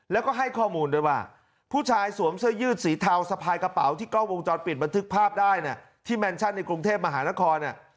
แล้วก็ให้ข้อมูลด้วยว่าผู้ชายสวมเสื้อยืดสีเทาสะพายกระเป๋าที่กล้องวงจรปิดบันทึกภาพได้เนี่ยที่แมนชั่นในกรุงเทพมหานครเนี่ย